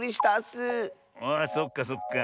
あそっかそっか。